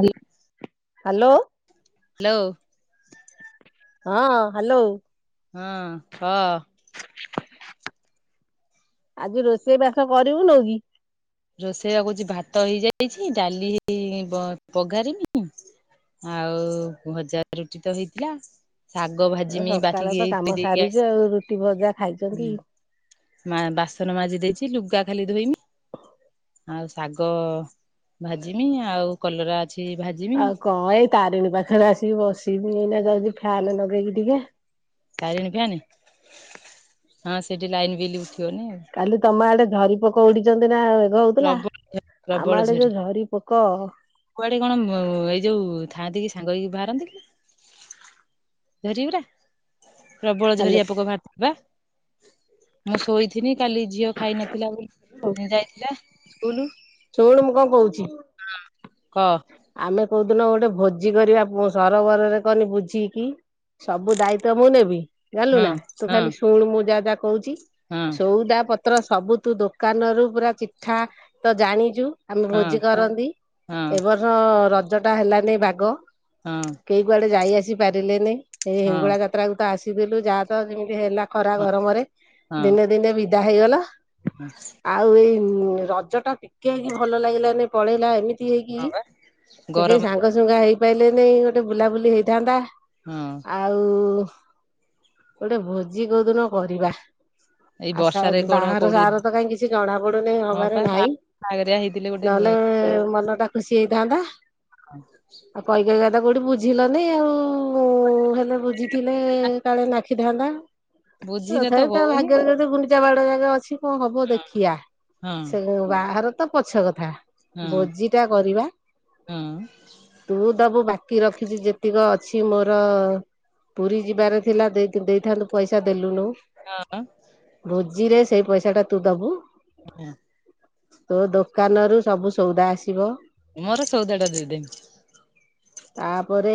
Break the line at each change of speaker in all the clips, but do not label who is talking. ହାଲ
hello.
Hello.
ହଁ hello.
ହଁ କ।
ଆଜି ରୋଷେଇ ବାସ କରିବୁନଉ କି?
ରୋଷେଇବା କହୁଛି ଭାତ ହେଇଯାଇଚି ଡାଲି ବ ପଘାରିମି ଆଉ ଭଜା ରୁଟି ତ ହେଇଥିଲା। ଶାଗ
ଆଉ
ଭାଜିମି
ସକାଳେ
ବାକିକିି
ତ କାମ
ଏଇ
ସାରିଛୁ ଆଉ ରୁଟି ଭଜା ଖାଇଛନ୍ତି।
[unintelligible] ମା ବାସନ ମାଜି ଦେଇଚି ଲୁଗା ଖାଲି ଧୋଇମି। ଆଉ ଶାଗ ଭାଜିମି ଆଉ କଲରା ଅଛି ଭାଜି
ଆଉ କଣ ଏଇ ତାରିଣୀ ପାଖରେ ଆସିକି ବସିବି ଏଇନା ଯାଉଚି ଫ୍ୟାନ ଲଗେଇକି ଟିକେ।
ତାରିଣୀ ଫ୍ୟାନ ହଁ ସେଠି ଲାଇନ ବିଲି ଉଠିବନି ଆଉ।
କାଲି ତମ ଆଡେ ଝରି ପୋକ ଉଡିଚନ୍ତି ନା ବଗ ହଉଥିଲା
ପ୍ରବଳ ପ୍ରବଳ
ଆମ ଆଡେ ଯୋଉ ଝରି ପୋକ
କୁଆଡେ କଣ ଏଇ ଯୋଉ ଥାଆନ୍ତି କି ସାଙ୍ଗ ହେଇକି ବାହାରନ୍ତି କି ଝରିଉରା? ପ୍ରବଳ
ହାଲୋ
ଝରିଆ ପୋକ ବାହାରିଥିବା ମୁଁ ଶୋଇଥିନି କାଲି ଝିଅ ଖାଇ ନଥିଲା ବୋଲି ଯାଇଥିଲା ସ୍କୁଲ।
ଶୁଣୁ ମୁଁ କଣ କହୁଚି।
ହଁ କହ।
ଆମେ କୋଉଦିନ ଗୋଟେ ଭୋଜି କରିବା ପ ସରୋବରରେ କହନି ବୁଝିକି। ସବୁ ଦାୟିତ୍ଵ ମୁଁ ନେବି। ଯାଲୁ
ହଁ
ନା ତୁ
ହଁ
ଖାଲି ଶୁଣୁ ମୁଁ ଯାହା ଯାହା କହୁଚି
ହଁ ହଁ
ସୋଉଦା ପ ତ୍ର ସବୁ ତୁ ଦୋକାନରୁୁ ପୁରା ଚିଠା ତ ଜାଣିଚୁ ଆମେ
ହଁ
ଭୋଜି କରନ୍ତି।
ହଁ।
[unintelligible] ରଜ ଟା ହେଲାନି ବାଗ।
ହଁ।
କେହି କୁଆଡେ ଯାଇ ଆସି ପାରିଲେନି ଏଇ
ହଁ
ହିଙ୍ଗୁଳା ଯାତ୍ରା କ ତ ଆସିଦଲୁ ଯାହା ତ ଯେମିତି ହେଲା ଖରା ଗରମରେ ଦିନେ ଦିନେ ବିଦା ହେଇଗଲ।
ହୁଁ।
ଆଉ ଏଇ ରଜ ଟା ଟିକେହିଁ ଭଲ ଲାଗିଲାନି ପଳେଇଲା ଏମିତି ହେଇ
ବା
ସେ କେହି
ଗରମରେ
ସାଙ୍ଗସୁଙ୍ଗା ହେଇପାଇଲେନେଇ ଗୋଟେ ବୁଲାବୁଲି ହେଇଥାନ୍ତା।
ହଁ।
ଆଉ ଗୋଟେ ଭୋଜି କୋଉଦିନ କରିବା।
ଏଇ
ଆ
ବର୍ଷାରେ
ସ
କଣ
ବାହାର
କୋଉଠି
ସାର ତ କାଇଁ କିଛି ଜଣା ପଡୁନି
ହଁ
ହବାର
ପା
ନହିଁ।
ବାହାଘରିଆ ହେଇଥିଲେ ଗୋଟେ
ନହେଲେ ମନ ଟା ଖୁସି ହେଇଥାନ୍ତା।
ଆଉ [inaudible]
ଆଉ କଇ କଇ ତ କୋଉଠି ବୁଝିଲନି ଆଉ ହେଲେ ବୁଝିଥିଲେ କାଳେ ନା ଖି ଥାନ୍ତା।
ବୁଝିଲେ
ତଥାପ
ତ
ତା
ହଉନି
ଭାଗ୍ୟରେ ଯଦି ଗୁଣ୍ଡିଚା ବାଡ ଜାଗା ଅଛି କଣ ହବ ଦେଖିବା।
ହଁ
ସେ ବାହାର ତ ପଛ କଥା
ହଁ
ଭୋଜି ଟା କରିବା।
ହଁ
ତୁ ଦବୁ ବାକି ରଖିଚି ଯେତିକ ଅଛି ମୋର ପୁରୀ ଯିବାରେ ଥିଲା ଦେଇତେ ଦେଇ ଥାନ୍ତୁ ପଇସା ଦେଲୁନୁ
ହଁ
ଭୋଜିରେ ସେଇ ପଇସା ଟା ତୁ ଦବୁ।
ହୁଁ [inaudible]
ତୋ ଦୋକାନରୁୁ ସବୁ ସଉଦା ଆସିବ।
ମୋର ସଉଦାଡା ଦେଇ ଦେମୀ।
ତାପରେ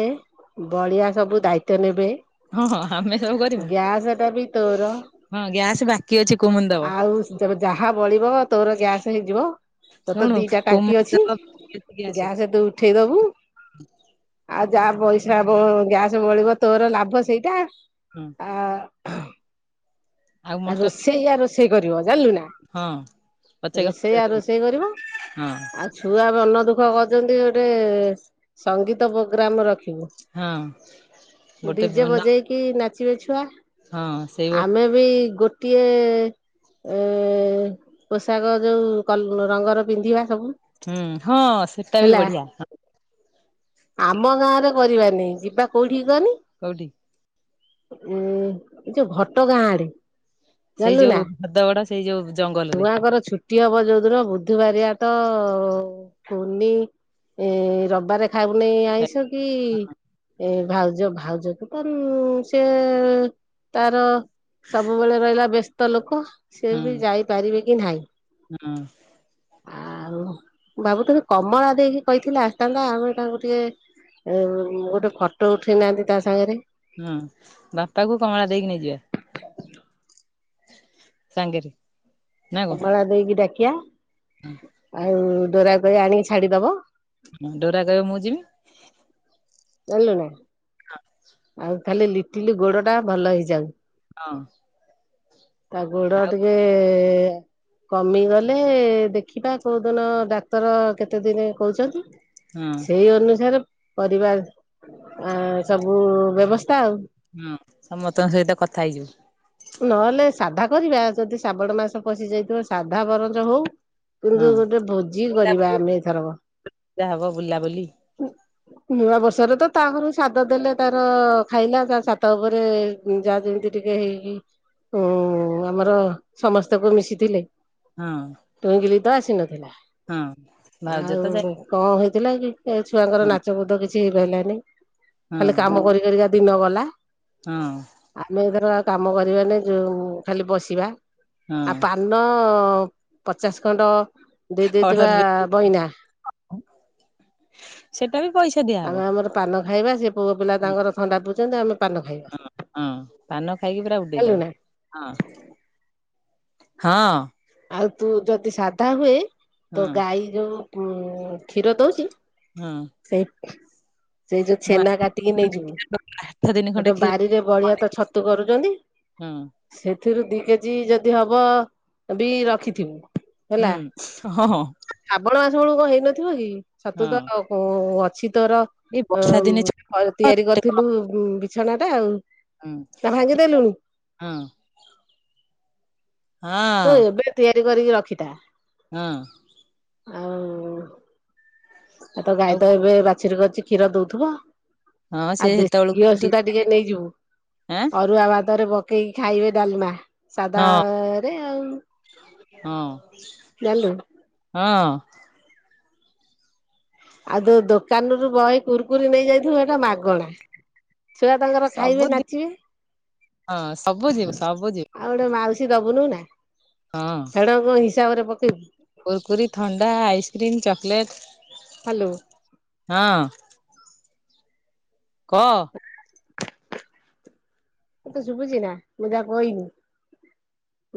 ବଳିଆ ସବୁ ଦାୟିତ୍ଵ ନେବେ।
ହଁ ହଁ ଆମେ ସବୁ କରିବୁ
ଗ୍ୟାସ ଟା ବି ତୋର।
ହଁ ଗ୍ୟାସ୍ ବାକି ଅଛି କୁମ
ଆଉ ଯେ ଯାହା ବଳିବ ତୋର ଗ୍ୟାସ୍ ହେଇଯିବ। ତୋତେ
ଶୁଣୁ
ଦିଟା ଟାଙ୍କି
କୁମୁନି
ଅଛି
ଦବ
ଗ୍ୟାସ ଏଦୁ ଉଠେଇ ଦବୁ। ଆଉ ଯାହା ପଇସା ବ ଗ୍ୟାସ ବଳିବ ତୋର ଲାଭ ସେଇଟା।
ହୁଁ
ଆ
ଆଉ
ଆ
ମଟନ
ରୋଷେଇ ୟା ରୋଷେଇ କରିବ ଜାଣିଲୁ ନା।
ହଁ। ପଛେକା
ରୋଷେୟା
ପଚାରିବୁ
ରୋଷେଇ କରିବ
ହଁ
ଆଉ ଛୁଆ ମନ ଦୁଃଖ କରିଛନ୍ତି ଗୋଟେ ସଙ୍ଗୀତ ପ୍ରୋଗ୍ରାମ ରଖିବୁ।
ହଁ ଗୋଟେ
ଡିଜେ
ନା
ବଜେଇକି ନାଚିବେ ଛୁଆ।
ହଁ ସେଇ ବର୍ଷ
ଏ ବି ଗୋଟିଏ ଏ ପୋଷାକ ଯୋଉ କ ରଙ୍ଗର ପିନ୍ଧିବା ସବୁ।
ହୁଁ ହଁ ସେଟା ବି
ହେଲା
ବଢିଆ।
ଆମ ଗାଁରେ କରିବାନି ଯିବା କୋଉଠି କନି?
କଉଠି
ଉଁ ଯୋଉ ଘଟଗାଁ ଆଡେ।
ସେଇ
ଜାଣିଲୁ ନା
ଯୋଉ ଭଦାଗଡା ସେଇ ଯୋଉ ଜଙ୍ଗଲ ରେ।
ଗୋଟି ହବ ଯଦୁନ ବୁଧବାରିଆ ତ କୁନି ଏ ରବିବାର ଖକୁ ନେଇ
ଖାଇ
ଆଇଷ କି ଏ ଭାଉଜ ଭାଉଜକୁ ସେ ତାର ସବୁବେଳେ ରହିଲା ବ୍ୟସ୍ତ ଲୋକ ସେ
ହଁ
ବି ଯାଇପାରିବେ କି ନାହିଁ।
ହଁ।
ଆଉ ବାବୁ ତମେ କମଳା ଦେଇକି କହିଥିଲେ ଆସିଥାନ୍ତା ଆମେ ତାଙ୍କୁ ଟିକେ ଗୋଟେ ଫଟୋ ଉଠେଇ ନାହାନ୍ତି ତା ସାଙ୍ଗରେ
ହୁଁ ବାପାକୁ କମଳା ଦେଇକି ନେଇଯିବା। ସାଙ୍ଗେରେ
କମଳା ଦେଇକି ଡାକିଆ ଆଉ ଡରା କହିବି ଆଣିକି ଛାଡିଦବ।
ହଁ ଡରା କହିବେ ମୁଁ ଯିବି।
ଜାଣିଲୁ ନା।
ହଁ
ଆଉ କାଲି ଲିଟିଲି ଗୋଡ ଟା ଭଲ ହେଇଯାଉ।
ହଁ
ତା ଗୋଡ଼
ଆଉ
ଟିକେ କମିଗଲେ ଦେଖିବା କୋଉଦିନ ଡାକ୍ତର କେତେ ଦିନ କହୁଛନ୍ତି।
ହଁ
ସେଇ ଅନୁସାରେ ପରିବା ଆ ସବୁ ବ୍ୟବସ୍ଥା ଆଉ
ହଁ ସମସ୍ତଙ୍କ ସହିତ କଥା ହେଇଯିବ
ନହେଲେ ସାଧା କରିବା ଯଦି ଶ୍ରାବଣ ମାସ ପଶି ଯାଇଥିବ ସାଧା ବର୍ଜ ହଉ
ହଁ
କିନ୍ତୁ ଗୋଟେ ଭୋଜି କରିବା
ବୁଲାବୁଲି
ଆମେ ଏଇ ଥରକ
ଯା ହବ ବୁଲାବୁଲି
ନୂଆ ବର୍ଷରେ ତ ତା ଘରୁ ସାଦ ଦେଲେ ତାର ଖାଇଲା ତା ଛାତ ଉପରେ ଯାହା ଯେମିତି ଟିକେ ହେଇକି ହୁଁ ଆମର ସମସ୍ତଙ୍କୁ ମିଶିଥିଲେ
ହଁ
ଟୁଇକିଲି ତ ଆସି ନଥିଲା
ହଁ ଭାଉଜ ତ ଯାଇ
କଣ ହେଇଥିଲା କି ଏ ଛୁଆଙ୍କର
ହଁ
ନାଚ ବୋଦ କିଛି ହେଇପାରିଲାନି।
ହଁ
ଖାଲି କାମ କରି କରିକା ଦିନ ଗଲା
ହଁ
ଆମେ ଏ ଥରକ ଆଉ କାମ କରିବାନି ଯୋଉ ଖାଲି ବସିବା
ହଁ
ଆଉ ପା ନ ପଚାଶ ଖଣ୍ଡ ଦେଇ
ଅର୍ଡର
ଦେଇଥିବା ବଇନା
ସେଟା ବି ପଇସା
ଆଉ
ଦିଆହବ
ଆମର ପାନ ଖାଇବା ସେ ପୁଅ ପିଲା ତାଙ୍କର ଥଣ୍ଡା ପିଉଛନ୍ତି ଆମେ ପାନ ଖାଇବା
ହଁ ପାନ ଖାଇକି ପୁରା
ହେଲୁ ନା
ଉଡେଇଦବା ହଁ ହଁ
ଆଉ ତୁ ଯଦି ସାଧା ହୁଏ
ହଁ
ତୋ ଗାଈ ଯୋଉ ଉ କ୍ଷୀର ଦଉଚି
ହଁ
ସେଇ ସେଇ ଯୋଉ
ମୁଁ
ଛେନା କାଟିକି ନେଇଯିବୁ
ଆଠ ଦିନ
ଏ
ଖଣ୍ଡେ
ତ
କ୍ଷୀର
ବାରିରେ ବଳିଆ ତ ଛତୁ କରୁଛନ୍ତି
ହଁ
ସେଥିରୁ ଦି କେଜି ଯଦି ହବ ବି ରଖିଥିବୁ ହେଲା
ହୁଁ ହଁ ହଁ
ଶ୍ରାବଣ ମାସ ବେଳୁ କଣ ହେଇନଥିବ କି ଛତୁ
ହଁ
ତ ଅଛି ତୋର
ଏଇ
ଅ
ବର୍ଷା ଦିନେ
[inaudible] ତିଆରି କରିଥିଲୁ ବିଛଣା ଟା ଆଉ
ହଁ
ତା ଭାଙ୍ଗିଦେଲୁଣି
ହଁ
ତୁ
ହଁ
ଏବେ ତିଆରି କରିକି ରଖିଥା
ହଁ
ଆଉ ଆଉ ତ ଗାଈ ତ ଏବେ ବାଛୁରୀ କରିଛି କ୍ଷୀର ଦଉଥିବ।
ହଁ ସେ
ଆଉ ଦେଶୀ
ସେତେବେଳକୁ
ଘିଅ ସୁଧା ଟିକେ ନେଇଯିବୁ
ଆଁ
ଅରୁଆ ଭାତରେ କେହି ଖାଇବେ ଡାଲମା ସାଧା
ହଁ ହଁ
ଜାଣିଲୁ
ହଁ
ଆଉ ଯୋ ଦୋକାନରୁ ବହେ କୁରୁକୁରି ନେଇ ଯାଇଥିବ ଏଟା ମାଗଣା ଛୁଆ ତାଙ୍କର ଖାଇବେ
ସବୁ ଦି
ନାଚିବେ
ହଁ ସବୁ ଯିବ ସବୁ ଯିବ
ଆଉ ଗୋଟେ ମାଉସୀ ଦବୁନୁ ନା
ହଁ
ଫେଡ କଣ ହିସାବରେ ପକେଇବୁ
କୁୁରକୁରି ଥଣ୍ଡା ଆଇସ୍କ୍ରିମ୍ ଚକୋଲେଟ୍
ହ୍ୟାଲୋ
ହଁ କ
[inaudible] ତତେ ଶୁଭୁଛିି ନା ମୁଁ ଯା କହନି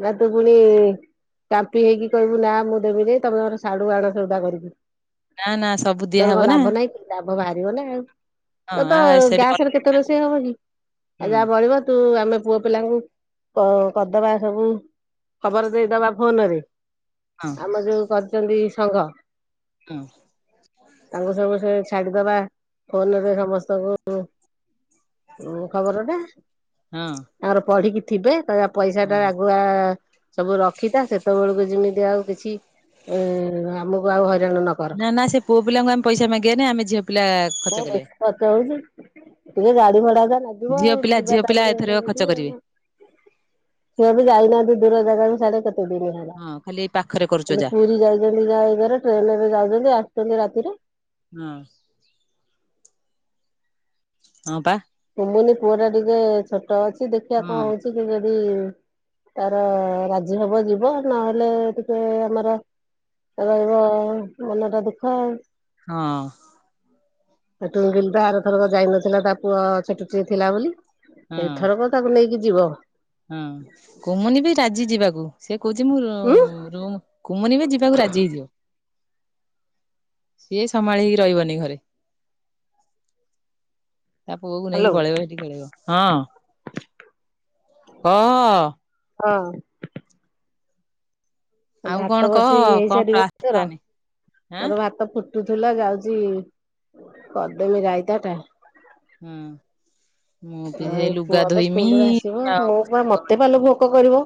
ନା ତୁ ପୁଣି କାମ୍ପି ହେଇକି କହିବୁ ନା ମୁଁ ଦେବିନି ତମେ ମୋର ସାଢୁ ଆଣ ସଉଦା କରିକି।
ନା ନା ସବୁ
ତୋର କଣ
ଦିଆହବ ନା
ଲାଭ ନାହିଁ କି ଲାଭ ବାହାରିବ ନା ଆଉ।
ହଁ
ଏ ତ
ଆ ସେଠି
ଗ୍ୟାସରେ କେତେ ରୋଷେଇ ହବ କିି ଆ
ହୁଁ
ଯା [unintelligible] ତୁ ଆମେ ପୁଅ ପିଲାଙ୍କୁ କଦବା ସବୁ ଖବର ଦେଇଦବା ଫୋନରେ
ହଁ
ଆମ ଯୋଉ କରିଚନ୍ତି ସଂଘ
ହଁ।
ତାଙ୍କୁ ସବୁ ସେ ଛାଡିଦବା ଫୋନରେ ସମସ୍ତଙ୍କୁ ଖବରଟା।
ଅଁ।
ଆମର ପଢିକି ଥିବେ ତା ପଇସା ଟା ଆଗୁଆ ସବୁ ରଖିଥା ସେତେବେଳକୁ ଯିମିତି ଆଉ କିଛି ଏ ଆମକୁ ଆଉ ହଇରାଣ ନ କର
ନା ନା ସେ ପୁଅ ପିଲାଙ୍କୁ ଆମେ ପଇସା ମାଗିବାନି ଆମେ ଝିଅ ପିଲା ଖର୍ଚ୍ଚ କରିବା।
[inaudible] ଇଏ ଗାଡି ଭଡା ଯା ଲାଗିବ
ଝିଅ
ଆଉ,
ପିଲା
ଯିବା
ଝିଅ ପିଲା
ତାରିଣୀ
ଏଥରକ
[unintelligible]
ଖର୍ଚ୍ଚ
ଟିକେ
କରିବେ
ଆଉ। ସିଏ ବି ଯାଇନାହାନ୍ତି ଦୂର ଜାଗା ବି ସାଡେ କେତେ ଦିନ୍ ହେଲାଣି।
ହଁ ଖାଲି ଏଇ ପାଖରେ କରୁଚ
ଖାଲି
ଯା
ପୁରୀ ଯାଇଚନ୍ତି [unintelligible] ଟ୍ରେନେ ରେ ଯାଉଚନ୍ତି ଆସଚନ୍ତି ରାତି ରେ।
ହଁ। ହଁ ପା।
କୁମୁନି ପୁଅ ଟା ଟିକେ ଛୋଟ ଅଛି ଦେଖିବା
ହଁ
କଣ ହଉଚି କି ଯଦି ତାର ରାଜି ହବ ଯିବ ନହେଲେ ଟିକେ ଆମର ରହିବ ମନ ଟା ଦୁଃଖ ଆଉ।
ହଁ।
ଟୁଙ୍ଗିଲ ପା ଆରଥରକ ଯାଇନଥିଲା ତା ପୁଅ ଛୋଟୁଟିଏ ଥିଲା ବୋଲି
ହଁ
ଏଥରକ ତାକୁ ନେଇକି ଯିବ।
ହଁ କମୁନି ବି ରାଜି ଯିବାକୁ। ସେ କହୁଛି
ଉଁ
ମୁଁ- କୁମୁନୀ ବି ଯିବାକୁ ରାଜି ହେଇଯିବ। ସିଏ ସମ୍ଭାଳି ହେଇକି ରହିବନି ଘରେ।
[inaudible]
ତା ପୁଅକୁ
ହ୍ୟାଲୋ।
ନେଇକି ପଳେଇବ ସେଠି ଖେଳେଇବ ହଁ। ଅ
ହଁ।
ଆଉ କଣ
ଭାତ
କହ
ବସେଇ ହେଇ
କଣ
ସାରିବ ତର
ପ୍ଲାନ୍ ଆଁ
ମୋର ଭାତ୍ ତ ଫୁଟୁଥିଲା ଯାଉଚି କର୍ଦେମି ରାଇତା ଟା
ହଁ ମୁଁ ବି ସେ
ଆଉ
ଲୁଗା
ପୁଅ ତ
ଧୋଇମି
ସ୍କୁଲରୁ ଆସିବ
ଆଉ
ମୁଁ ମତେ ପାଲୋ ଭୋକ କରିବ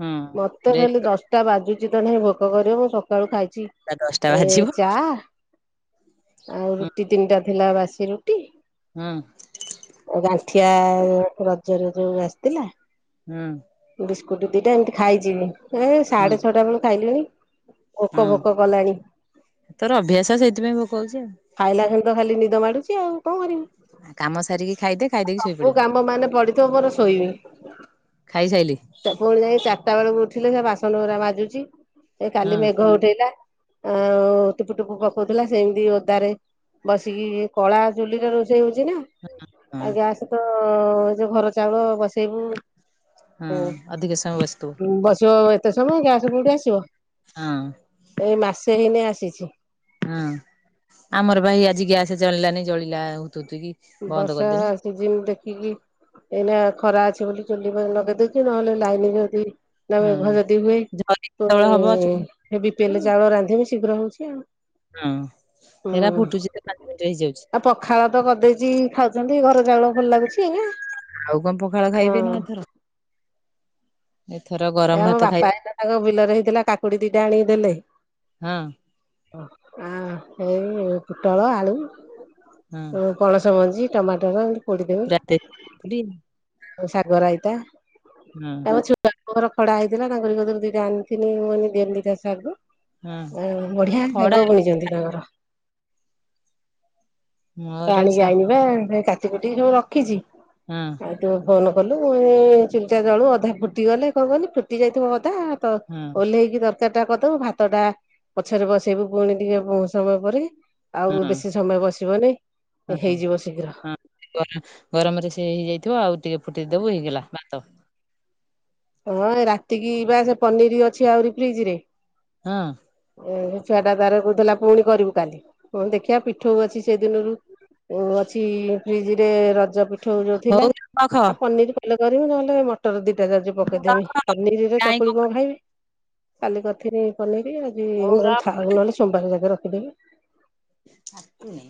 ହଁ
ମତେ
ଡେରି
ଖାଲି ଦଶ ଟା ବାଜୁଚି ତ ନାହିଁ ଭୋକ କରିବ ମୁଁ ସକାଳୁ ଖାଇଚି
ଟା ଦଶଟା
ଏ
ବାଜିବ।
ଚା ଆଉ
ହୁଁ
ରୁଟି ତିନିଟା ଥିଲା ବାସି ରୁଟି
ହୁଁ।
ଆ ଗାଠିଆ ରଜରେ ଯୋଉ ଆସିଥିଲା
ହୁଁ।
ବିସ୍କୁଟୁ ଦିଟା ଏମିତି ଖାଇଯିବି ଏ ସାଢେ ଛଅଟା ବେଳୁ ଖାଇଲିଣି
ହଁ
ଭୋକ ଭୋକ କଲାଣି
ତୋର ଅଭ୍ୟାସ ସେଇଥିପାଇଁ ଭୋକ ହଉଚି ଆଉ।
ଖାଇଲା ଖେଣି ତ ଖାଲି ନିଦ ମାଡୁଚି ଆଉ କଣ କରିବି?
କାମ ସାରିକି ଖାଇଦେ। ଖାଇଦେଇକି
ସବୁ
ଶୋଇପଡିବୁ
କାମ ମାନେ ପଡିଥିବ ମୋର ଶୋଇବି।
ଖାଇସାଇଲି।
ତା ପୁଣି ଯାଇ ଚାରଟା ବେଳକୁ ଉଠିଲେ ସେ ବାସନ ଗୁରା ବାଜୁଛି ଏ
ହୁଁ
କାଲି ମେଘ ଉଠେଇଲା, ଆଉ ଟୁପୁ ଟୁପୁ ପକଉଥିଲା ସେମିତି ଓଦାରେ, ବସିକି କଳା ଚୁଲିଟ ରୋଷେଇ ହଉଛି ନା,
ହୁଁ
ଆ ଗ୍ୟାସ୍ ତ ଯୋଉ ଘର ଚାଉଳ ବସେଇବୁ, ହୁଁ
ଅଧିକ ସମୟ ବସିଥିବୁ।
ହୁଁ ବସେଇବ ଏ ତେ ସବୁ ଗ୍ୟାସ୍ ରେ କୋଉଠି ଆସିବ
ହଁ
ଏଇ ମାସେ ହେଇନି ଆସିଛି,
ହଁ ଆମର ଭାଇ ଆଜି ଆସେ ରେ ଚଳିଲାନି ଜଳିଲା ହଉଥୁଥୁ କି,
ଏ
ବନ୍ଦ
ବର୍ଷା,
କରିଦେନି।
ଯେ ଯେମିତି ଦେଖିକି ଏଇନା ଖରା ଅଛି ବୋଲି ଚୁଲି ଲଗେଇଦଉଛି ନହେଲେ ଲାଇନି ଯଦି,
ହଁ
ତାେଘର ଯଦି ହୁଏ
ଝରି
ତ
କେତେବେଳେ
ହେ
ହବ ଚୁଲି
ହେ ବିପେଲେ
କରିବୁ
ଚାଉଳ ରାନ୍ଧିବି ଶୀଘ୍ର ହଉଛି ଆଉ,
ହଁ ହେରା
ହୁଁ
ଫୁଟୁଛି ତ ପାଞ୍ଚ ମିନିଟ ହେଇଯାଉଛି।
ଆଉ ପଖାଳ ତ କରିଦେଇ, ଚି ଖାଉଛନ୍ତି ଘର ଚାଉଳ ଭଲ ଲାଗୁଛି ଏଇନା
ଆଉ କଣ ପଖାଳ
ହଁ,
ଖାଇବେ ଏଥରକ,
ଏ ଆମ ବାପା ହେଲା ତାଙ୍କ ବିଲରେ ହେଇଥିଲା କାକୁଡ଼ି ଦିଟା ଆଣିକି ଦେଲେ,
ହଁ,
ଆ ଏଇ ପୋଟଳ ଆଳୁ ହୁଁ,
ହଁ।
ପଣସ ମଞ୍ଜି ଟମାଟର ଏମିତି
ରାତି ପୁରୀ
ପୋଡି଼ଦବେ ଶାଗ ରାଇତା,
ହୁଁ,
ମୋର ଖ଼ଡା ହେଇଥିଲା ତାଙ୍କୁ ଯୋଉଥିରୁ ଦିଟା ଆଣିଥିନି ମୁଁ କହିଲି ଦେଲିି ତା ସାଗୁ,
ହଁ।
ଆ ବଢ଼ିଆ
ଖଡା
ରାଗ ବୁଣିଛନ୍ତି ତାଙ୍କର,
ମୋର
ଆଣିକି
ସା
ଆଇନିନା ବା ସେ କାଟିକୁଟିକି ସବୁ ରଖିଛି,
ହଁ,
ଆଉ ଟିକେ ଫୋନ୍ କଲୁ ମୁଇଁ ଚୁଲିଚା ଜଳୁ ଅଧା ଫୁଟିଗଲେ କଣ କଲିି ଫୁଟି ଯାଇଥିବ ଅଧା, ତ
ହଁ
ଓହ୍ଲେଇକି ତର, ତାଟା କରିଦବୁ ଭାତ ଟା ପଛରେ ବସେଇବୁ ପୁଣି ଟିକେ ବହୁ ସମୟ ପରେ, ଆଉ ଏବେ ବେଶି ସମୟ ବସିବନି,
ହଁ-ହଁ-ହଁ
ହେଇଯିବ ଶୀଘ୍ର
ଗରମ୍ ଗରମରେ ସେ ହେଇଯାଇଥିବ ଆଉ ଟିକେ ଫୁଟିଦବୁ ହେଇଗଲା ମା
ହଁ ରାତିକି ବା ସେ ପନିର ଅଛି ଆହୁରି ଫ୍ରିଜ ରେ,
ହଁ,
ଏ ଛୁଆ ଟା ଦାର କଥିଲା ପୁଣି କରିବୁ କାଲି ହଁ ଦେଖିବା ପିଠୁ ଅଛି ସେ ଦିନୁରୁ, ଓ ଅଛି ଫ୍ରିଜ ରେ ରଜ ପିଠୁ ଯୋଉ ଥିଲା
ହଉ ରଖ
ଆଉ ପନିର, ହେଲେ କରିବି ନହେଲେ ମଟର ଦିଟା ଯାଉଛି ପକେଇଦେମି ପନିରରେ
କାଇଁ
ଚକୁଳି କଁ ଖାଇବି, କାଲି କରିଥିନି ପନିର ଆଜି
ହଉ
ମୁଁ
ରଖ
ଥାଉ ନହେଲେ ସୋମବାରକେ ରଖିଦେବି,
ଆ ତୁନେ,